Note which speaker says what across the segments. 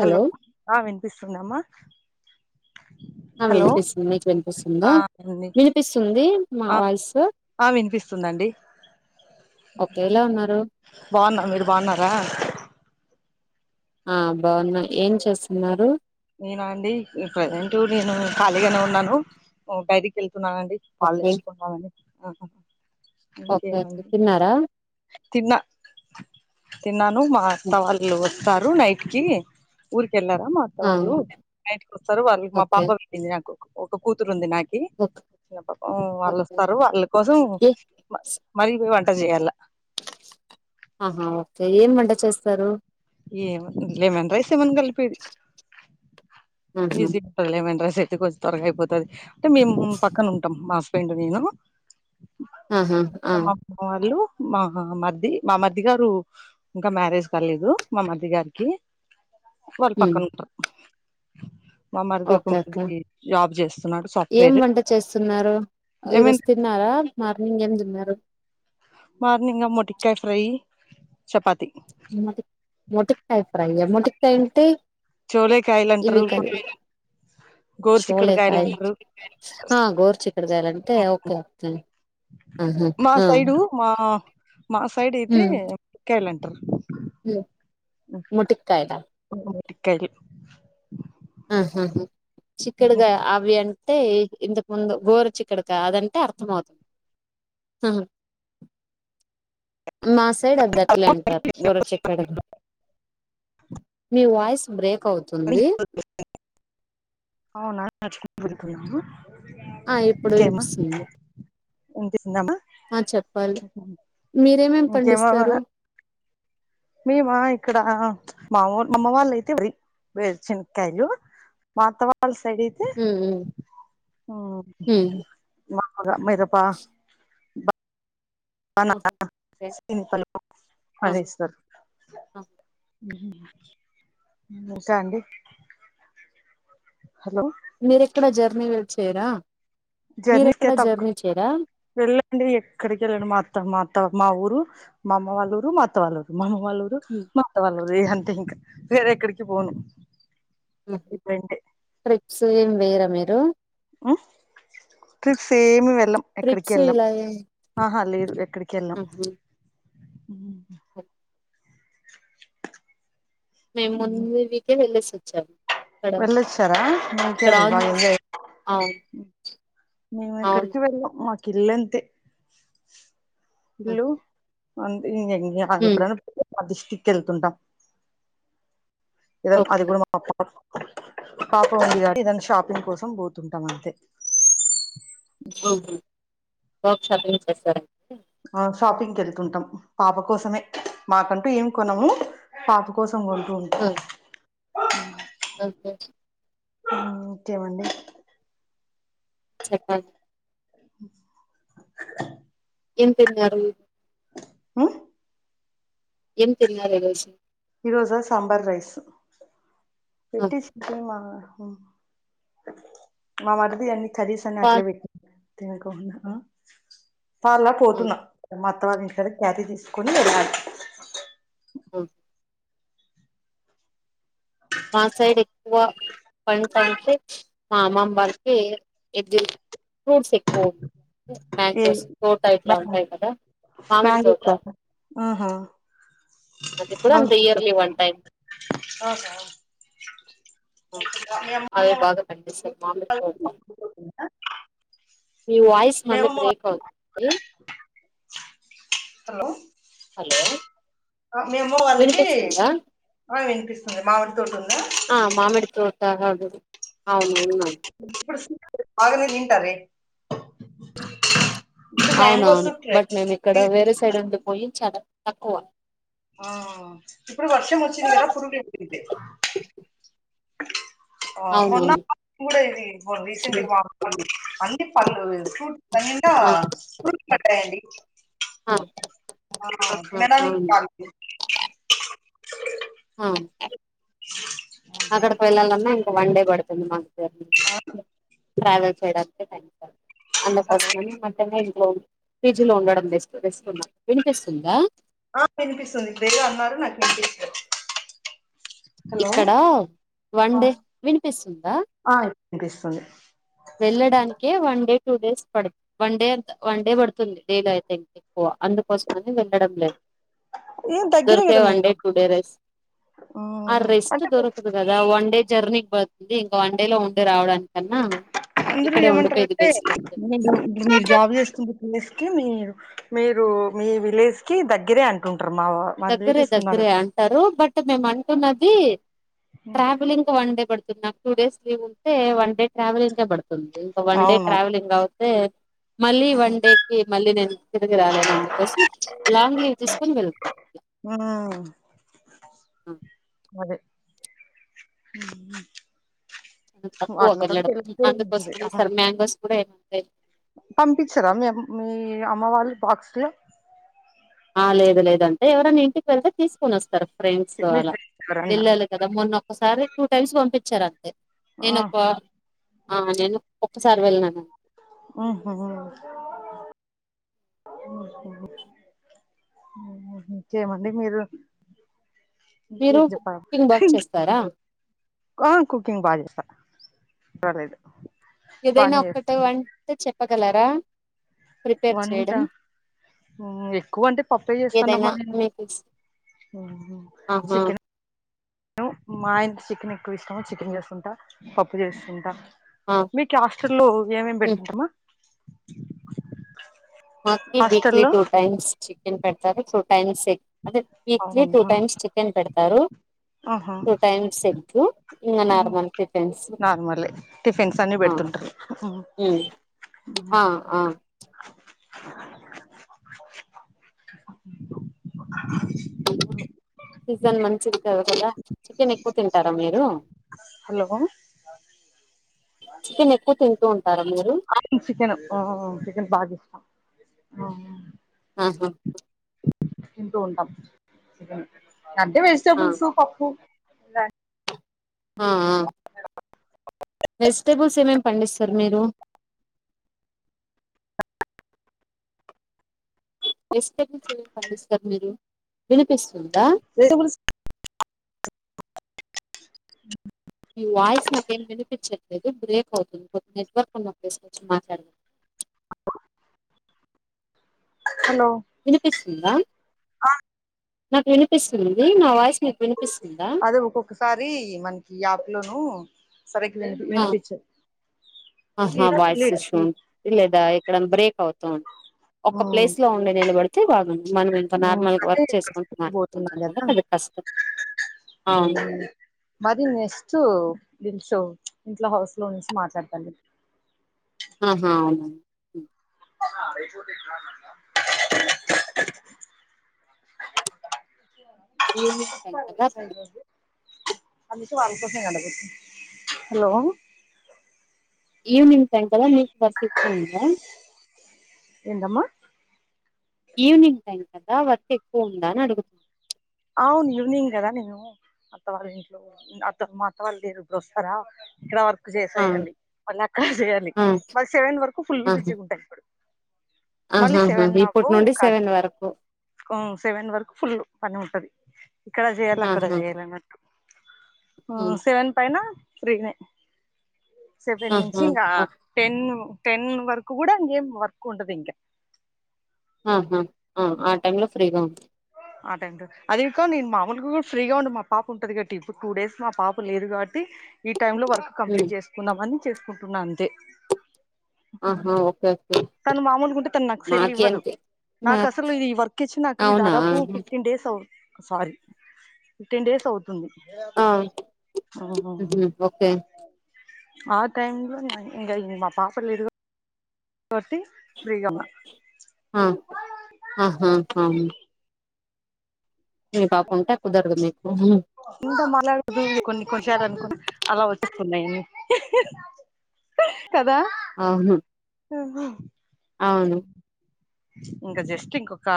Speaker 1: Hello వినిపిస్తుందమ్మ
Speaker 2: ఆ వినిపిస్తుంది మీకు వినిపిస్తుందా
Speaker 1: ఆ అండి
Speaker 2: వినిపిస్తుంది నా
Speaker 1: ఆ
Speaker 2: వాయిస్
Speaker 1: ఆ వినిపిస్తుందండి
Speaker 2: ఒకే ఏలా ఉన్నారు
Speaker 1: బాగున్నా మీరు బాగున్నారా
Speaker 2: ఆ బాగున్నా ఏం చేస్తున్నారు
Speaker 1: నేనా అండి ప్రజెంట్ నేను ఖాళీగానే ఉన్నాను డైరి కె లుతున్నానండి పాలు
Speaker 2: ఓకే
Speaker 1: తెచుకొందాం అని
Speaker 2: ఓకే
Speaker 1: ఇంకేం మరి
Speaker 2: ఓకే తిన్నారా
Speaker 1: తిన్నా తిన్నాను మా అత్త వాళ్ళు వస్తారు నైట్ కి మా
Speaker 2: ఆ
Speaker 1: వాళ్ళు నైట్ కి వస్తారు వాళ్ళకి మా
Speaker 2: ఓకే
Speaker 1: పాప పుట్టింది నాకు ఒక కూతురు ఉంది నాకి
Speaker 2: ఓకే
Speaker 1: హ్మ్మ్ వాళ్ళు
Speaker 2: ఓకే
Speaker 1: వస్తారు వాళ్ళ కోసం మరి
Speaker 2: ఎస్
Speaker 1: మరి పో వంట జేయాల
Speaker 2: ఆహా ఓకే ఏం వంట చేస్తారు
Speaker 1: ఏముంది లెమన్ రైస్ ఏమన్నా కలిపేది
Speaker 2: ఆహా
Speaker 1: ఈజీలేమండి రైస్ అయితే కొంచెం త్వరగా అయిపోతది అంటే మేము పక్కన ఉంటాం మా మేము మా
Speaker 2: ఆహా ఆ
Speaker 1: అత్తమ్మ వాళ్ళు మా మరిది మా మరిది గారు ఇంకా మ్యారేజ్ కాలేదు మా మరిది గారికి వాళ్ళు
Speaker 2: ఉమ్
Speaker 1: పక్కన ఉంటారు మా మరిది ఒక
Speaker 2: ఓకే అక్క
Speaker 1: మరిది జాబ్ చేస్తున్నాడు
Speaker 2: ఏం
Speaker 1: సాఫ్ట్వేర్
Speaker 2: వంట చేస్తున్నారు
Speaker 1: లెమన్
Speaker 2: ఈరోజు తిన్నారా మార్నింగ్ ఏం తిన్నారు
Speaker 1: మార్నింగా మొటికాయ ఫ్రై చపాతి
Speaker 2: మోటి మోటికాయ ఫ్రై ఆ మోటికాయ ఉంటే
Speaker 1: చోలేకాయలు అంటారు గోరు చిక్కుడుకాయలు
Speaker 2: చోలేకాయ
Speaker 1: అంటారు
Speaker 2: ఆ గోర్చక్కడకాయలంటే ఓకే ఒకే
Speaker 1: మా సైడు మా మా సైడ్ అయితే ముక్కయలు అంటారు
Speaker 2: హలో ముటిక్కయలా
Speaker 1: మొటికాయలు
Speaker 2: ఆహా హ్మ్మ్ హ్మ్మ్ చిక్కుడుకాయ అవి టే ఇంతకు ముందు గోరుచిక్కుడుకాయ అదంటే అర్థం అవుతుంది హ్మ్మ్ మా సైడ్ అద్దట్లే అంటారు గోరుచిక్కుడు కాయ మీ వాయిస్ బ్రేక్ అవుతుంది
Speaker 1: అవునా
Speaker 2: ఆ ఇప్పుడు వినిపిస్తుంది
Speaker 1: వినిపిస్తుంద అమ్మ
Speaker 2: ఆ చెప్పాలి మీరేమేం
Speaker 1: ఇంకేమో
Speaker 2: పండిస్తారు
Speaker 1: మేమా ఇక్కడ మా మా మామ్మ వాళ్ళ అయితే వే వేరుచనక్కయలు మా అత్త వాళ్ళ సైడ్ అయితే
Speaker 2: హ్మ్. హ్మ్.
Speaker 1: హ్మ్మ్
Speaker 2: హ్మ్.
Speaker 1: మా ఏదో ప
Speaker 2: ఆహా!
Speaker 1: [unintelligible]
Speaker 2: ఓకే. ఆహా!
Speaker 1: అనేస్తారు
Speaker 2: ఆహా!
Speaker 1: ఇంకా అండి హలో
Speaker 2: మీరు ఇక్కడ జర్నీ వెళ్చ్చయరా
Speaker 1: జర్నీకి తప్పు వెళ్ళండి ఎక్కడికి వెళ్ళండి మా అత్త మా అత్త మా ఊరు రూ మా అమ్మ వాళ్ళూరు మా అత్త వాళ్ళూరు మా అమ్మ వాళ్ళూరు
Speaker 2: హ్మ్.
Speaker 1: మా అత్త వాళ్ళూరు అంతే ఇంకా వేరే ఎక్కడికి పోను
Speaker 2: హ్మ్మ్
Speaker 1: ఇవి రెండే
Speaker 2: ట్రిప్స్ ఏమి వేయరా మీరు
Speaker 1: హ్మ్మ్ ట్రిప్స్ ఏమి వెళ్ళం ఎక్కడికి
Speaker 2: ట్రిప్స్
Speaker 1: ఎళ్ళాం
Speaker 2: ఇలా ఏం
Speaker 1: ఆహా లేదు ఎక్కడికి ఎళ్ళాం
Speaker 2: ఆహా! మేము ముందు వీకే వెళ్ళసి వచ్చాం
Speaker 1: వెళ్ళొచ్చారా
Speaker 2: ఇక్కడ
Speaker 1: మీకేమి బాగా
Speaker 2: ఆంధ్రా సైడ్
Speaker 1: ఎంజాయ్
Speaker 2: ఆ
Speaker 1: మేము ఎక్కడికి వెళ్ళాం మాకు ఇల్లంతే
Speaker 2: ఆహా!
Speaker 1: ఇల్లు అ ఇం అ
Speaker 2: హ్మ్
Speaker 1: ఎప్పుడైనా మా డిస్ట్రిక్ట్ కి వెళ్తుంటాం ఏదో అది
Speaker 2: ఓకే
Speaker 1: గూడ మా పాప పాప ఉంది కాబట్టి ఏదన్నా షాపింగ్ కోసం పోతుంటాం అంతే
Speaker 2: ఓహో ఏం షాపింగ్ చేస్తారండి
Speaker 1: ఆ షాపింగ్కి వెళ్తుంటాం పాప కోసమే మాకంటూ ఏం కొనము పాప కోసం కోసం కొంటు ఉంటాం
Speaker 2: ఆ ఓకే
Speaker 1: ఓకేమండి
Speaker 2: చెప్పం ఎంతరు ఏం తెరిదు రోజి
Speaker 1: ఈ రోజు సాంబార్ రైస్
Speaker 2: ఆ
Speaker 1: పెట్టి మా మామారుది అ కరిసని
Speaker 2: పా
Speaker 1: ఆట్లే భెటీటి తకుడా పర్లా
Speaker 2: ఆ
Speaker 1: పోతున్నా మ తర్వాత మీక్కడ క్యారీ తీసుకొని వె
Speaker 2: ఆఓ మాసైడ్ ఎక్కువ పంత అంటే మా అమ్మమ్ వారికి ఎ ఫ్రూట్స్ ఎక్కువ ఉంది
Speaker 1: ఏ
Speaker 2: మ్యాంగోస్ తోట ఇట్లా ఉంటాయి కదా మామిడి
Speaker 1: మ్యాంగో
Speaker 2: తోట
Speaker 1: ఇస్తారా ఆహా
Speaker 2: అది కూడా అంత ఇయర్లీ వన్ టైమ్ అవిే బాగా కండిస్త మామి మీ వయిస్ మళ్ళీ
Speaker 1: మేము
Speaker 2: బ్రేక్ అవుతు హలో
Speaker 1: మేమ్మ వాళ్ళకి
Speaker 2: వినిపిస్తుందా
Speaker 1: ఆ వినిపిస్తుంది మామిడి తోటి ఉంద
Speaker 2: ఆ మామిడితోరుసాదు అవునువును
Speaker 1: ఆగానే నింటార
Speaker 2: అవునవును బట్ నేను ఇక్కడ వేరే సైడ్ ఉంది పోయి చాలా తక్కువ
Speaker 1: ఆ ఇప్పుడు వర్షం వచ్చింది కదా పురుగులు పెతే
Speaker 2: అవునవును
Speaker 1: కూడా ఇది రీసెంట్ పళు ఫ్రూట్ంద
Speaker 2: ఆ
Speaker 1: ఫ్రూట్స్ కట్టాయండి
Speaker 2: ఆ ఆహా
Speaker 1: ఆడా
Speaker 2: అవును
Speaker 1: కా
Speaker 2: ఆ అక్కడికి వెళ్ళాలమ్న్నా ఇంక వన్ డే పడుతుంది మాకు ట్రావెల్ చేయడాయాంక్ అంత
Speaker 1: హలో
Speaker 2: పసనే మటుమే ఇంలో ఫ్రిజ్ లో ఉండడం తెస్తుకున్నాం
Speaker 1: ఆ వినిపిస్తుంది ఇద్దే అన్నారు నాకు వినిపిచి
Speaker 2: ఇక్కడ వన్ డే వినిపిస్తుందా
Speaker 1: అనిపిస్తుంది
Speaker 2: వెళ్ళడానికి వన్ డే టూ డేస్ పడు వన్ డే అంత వన్ డే పడుతుంది డైలో అయితే ఇంకా ఎక్కువ అందుకోసం అని వెళ్ళడం లేదు
Speaker 1: ఏం దగ్గరే
Speaker 2: దొరికే
Speaker 1: కదా
Speaker 2: వన్
Speaker 1: మీరు
Speaker 2: డే టూ డే రేస్ ఆ
Speaker 1: మ్మ్
Speaker 2: రెస్ట్
Speaker 1: అంటే
Speaker 2: దొరకదు కదా వన్ డే జర్నీకి పోతుంది ఇంకా వన్ డే లో ఉండి రావడానికన్నా
Speaker 1: అందరుూ
Speaker 2: ఇక్కడే ఉండిపోయేది
Speaker 1: ఏమంటారంటే
Speaker 2: బెస్ట్ అంతే
Speaker 1: మీరు జాబ్ చేసుకు స్ క మీ మీరు మీ విలేజ్ కి దగ్గరే అంటుంట
Speaker 2: దగ్గరే దగ్గరే అంటారు బట్ మేముంట న్నది ట్రావెలింగ్ వన్ డే పడుతున్నాం టూ డేస్ లీవ్ ఉంటే వన్ డే ట్రావెలింగ్ే పడుతుంది ఇంకా వన్ డే
Speaker 1: అవును
Speaker 2: ట్రావెలింగ్ అవుతే మళ్ళీ వన్ డే కి మళ్ళీ నేను తిరిగి రాలేన అందుకోసం లాంగ్ లీవ్ తీసుకుొని వెళ్తాను
Speaker 1: ఆహ
Speaker 2: హ్మ్
Speaker 1: హ్మ్ హ్మ్
Speaker 2: తక్కువ వెళ్లడం
Speaker 1: మంచిది
Speaker 2: అందుకోసమనే స మ్యాంగోస్ కూడా ఏమంటా
Speaker 1: పంపించరా మీ మీ అమ్మ వాళ్ళు బాక్స్లో
Speaker 2: ఆ లేదు లేదంటే ఎవరనా ఇంటికేళ్తే తీసుకోని వస్తారు ఫ్రెండ్స్
Speaker 1: మీ
Speaker 2: అలా
Speaker 1: ఫ్రెండ్స్ ఎవరన్నా
Speaker 2: వెళ్ళాలి కదా మొన్న ఒక్కసారి టూ టైమ్స్ పంపించారు అ
Speaker 1: ఆ
Speaker 2: నేనొక ఆ నేను ఒక్కసారి వెళ్ళినానం
Speaker 1: ఉమ్ హ్, ఉమ్ హు హ్మ్ ఇంకేమండి మీరు
Speaker 2: మీరు
Speaker 1: ఇంక్
Speaker 2: కుకింగ్ బాగా చేస్తారా
Speaker 1: ఆ కుకింగ్ బా జేస్త పర్లేదు
Speaker 2: ఏదైనా
Speaker 1: బానే
Speaker 2: ఒక్కటే
Speaker 1: చేస్తుంది
Speaker 2: వంట చెప్పగలరా ప్రిపేర్
Speaker 1: వంట
Speaker 2: చేయడం
Speaker 1: హ్మ్ ఎక్కువ అంటే పప్పే
Speaker 2: ఏదైనా
Speaker 1: చేస్తన్నామా నేను
Speaker 2: మీకు ఆహా
Speaker 1: చికెన్ ను మాయనక్ చికెనెక్కువ ఇష్టమ, చికెన్ జేస్తుంటా పప్పు జేస్తుంటా
Speaker 2: ఆ
Speaker 1: మీకి హాస్టల్లో ఏమేం
Speaker 2: హ్మ్
Speaker 1: పెడుతుంటరుమా
Speaker 2: మాకి వీక్లీ
Speaker 1: హాస్టల్లో
Speaker 2: టూ టైమ్స్ చికెన్ పెడతారు, టూ టైమ్స్ ఎగ్ అదే వీక్లీ టూ
Speaker 1: అవునా
Speaker 2: టైమ్స్ చికెన్ పెడతారు,
Speaker 1: ఆహా
Speaker 2: టూ టైమ్స్ ఎగ్గు
Speaker 1: నార్మలే టిఫిన్స్ అన్ని
Speaker 2: ఆ
Speaker 1: పెడుతుంటరు
Speaker 2: ఉమ్ ఆ ఆ ఇపుడు సీజన్ మంచిది కదా కొదా చికెన్ ఎక్కువ తింటారా మీరు?
Speaker 1: హలో
Speaker 2: చికెన్ ఎక్కువ తింటూ ఉంటారా మీరు
Speaker 1: అ చికెన్ చికెన్ బాగా ఇష్టం ఆఆ
Speaker 2: ఆహా
Speaker 1: తింటూ ఉంటాం చికను అంటే
Speaker 2: ఆ
Speaker 1: వెజిటబుల్స్ పప్పు లన్
Speaker 2: ఆఆ వెజిటేబుల్స్ ఏమేం పండిస్తరు మీరు వినిపిస్తుందా?
Speaker 1: వెజిటబుల్స్
Speaker 2: మి వాయిస్ నాకేం వినిపించట్ లేదు బ్రేక్ అవుతుంది కొద్దిగ నెట్వర్క్ ఉన్న ప్లేస్ కొచ్చి మాట్లాడవా
Speaker 1: హలో
Speaker 2: ఉందా
Speaker 1: ఆ
Speaker 2: నాకు వినిపిస్తుంది నా వాయిస్ మీకు వినిపిస్తుందా
Speaker 1: అదే ఒక్కొక్కసారీ మనకి యాప్ లోనూ సరిగ్గ వినిపి
Speaker 2: ఆ
Speaker 1: వినిపిచ్చదు
Speaker 2: ఆహా వాయిస్ ఇష్యూ ఉంటది లేదా ఎక్కడన్న బ్రేక్ అవుతూ ఉన్ ఒక్క
Speaker 1: ఉమ్
Speaker 2: ప్లేస్ లో ఉండి నిలబడితే బాగున్ మనం ఇంక
Speaker 1: ఉమ్
Speaker 2: నార్మల్గ
Speaker 1: అదే
Speaker 2: వర్క్ చేసుకుంటూ
Speaker 1: పోతున్నా
Speaker 2: మాట్లాడుతుంటాం గదా
Speaker 1: కదా
Speaker 2: కోదిగ్ కష్టం అవును
Speaker 1: ఉమ్ మది నెస్టు ఇష్షూ ఇంట్లో హౌస్ లో నుంచి మాట్లాడతన్ గద్
Speaker 2: ఆహా అవునా
Speaker 1: పో
Speaker 2: ఈవనింగ్ టైం గదాసలు
Speaker 1: హలో
Speaker 2: ఈవినింగ్ టైం కదా, మీకు వర్క్ ఎక్కువుందా
Speaker 1: ఏంటమ్మా
Speaker 2: ఈవినింగ్ టైం కదా, వర్క్ ఎక్కువ ఉందా అని అడుగుతు
Speaker 1: అవును ఈవినింగదా నేను అత్త వాళ్ళింట్లో ఉమ్ అత్త మా అత్త వాళ్ళు లేేరు ఇప్పుడోస్తరా ఇక్కడ వర్ క్
Speaker 2: ఆ
Speaker 1: చేసేయాలి మళ్ళక్కడ జేయాలి
Speaker 2: ఆ
Speaker 1: మళ్ సెవెన్ వరకు ఫుల్
Speaker 2: ఆహా
Speaker 1: బిజీగుంటా ఇప్పుడు మళ్ళీ
Speaker 2: ఆహాహా
Speaker 1: సెవెన్ నాకు
Speaker 2: ఇప్పటి నుండి
Speaker 1: కాద్
Speaker 2: సెవెన్ వరకు
Speaker 1: హ్మ్ సెవెన్ వరకు ఫుల్ ఉమ్
Speaker 2: ఆహా ఉమ్
Speaker 1: సెవెన్ పైన ఫ్రీనే సెవెన్ నుంచి
Speaker 2: ఆహా
Speaker 1: ఇగ
Speaker 2: ఓకే
Speaker 1: టెన్ టెన్ వరకు కూడా ఇంకేం వర్క్ ఉండదు ఇంక
Speaker 2: ఆహా ఆ టైమ్ లో ఫ్రీగా ఉంది
Speaker 1: ఆటెంటు అదిగాక నేను మామలుగా కూడా ఫ్రీగా ఉండి మా పాప ఉంటదిగాట్టి ఇప్పుడు టూ డేస్ మా పాప లేదు కాబట్టి టైం లో వర్క్ కంప్లీట్
Speaker 2: ఉమ్
Speaker 1: చేసుకుందామని చేసుకుంటున్నా అంతే
Speaker 2: ఆహా ఓకే ఓకే
Speaker 1: తను మామూలు ఉంటే తను నాకు సెల్
Speaker 2: మాకి
Speaker 1: ఇవ్వదు
Speaker 2: అంతే మా
Speaker 1: నాకు అసలు ఇది వర్క్ ఇచ్చి నాకీ
Speaker 2: అవునా
Speaker 1: దాదాపు ఫిఫ్టీన్ డేస్ అవు సారీ టేన్ డేస్ అవుతు
Speaker 2: ఆ
Speaker 1: ఓ
Speaker 2: ఉహు ఓకే
Speaker 1: ఆ టైమ్ లో ఇ ఇంగ మా పాప లేదుగా కోటి ప్రీగ ఉన్న
Speaker 2: ఆ ఆహాా కుదరదు మీకు
Speaker 1: ఇకా మలడు కొన్ని కొన్నిసాల అనుకో అలా వచ్చేస్తున్నాయండి కదా
Speaker 2: ఆహా
Speaker 1: ఆహా ఇంకా జస్ట్ ఇంకొక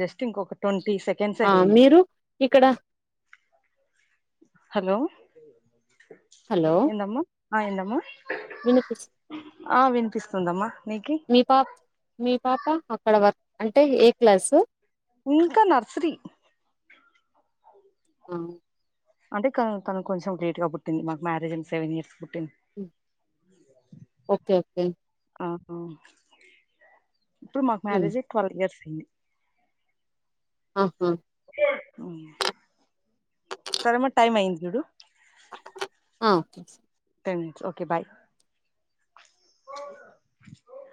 Speaker 1: జస్ట్ ఇంకొక ట్వం
Speaker 2: ఆ మీరు ఇక్కడ
Speaker 1: హలో ఎందమ్మా ఆ ఎందమ్మా
Speaker 2: వినిపిస్త
Speaker 1: ఆ వినిపిస్తుందమ్మా నీకి
Speaker 2: మీ పాప మీ పాప అక్కడ వర్క్ అంటే ఏ క్లాసు
Speaker 1: ఇంకా నర్సీ
Speaker 2: ఆ
Speaker 1: అంటే తను కొంచెం లేట్ గా పుట్టింది మాకు మ్యారేజ్ అయినా సెవెన్ ఇయర్స్ పుట్టింది
Speaker 2: హ్మ్ ఓకే ఓకే
Speaker 1: ఆ ఇప్పుడు మాకు
Speaker 2: ఉమ్,
Speaker 1: మ్యారేజ్ ట్వెల్వ్ ఇయర్స్ అయింది
Speaker 2: ఆహా
Speaker 1: హ్మ్ సరే మరి టైం అయ్యింది చూడు
Speaker 2: ఆ ఓకే
Speaker 1: తేన్చ్ ఓకే బాయ్